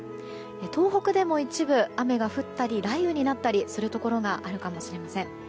東北でも一部、雨が降ったり雷雨になったりするところがあるかもしれません。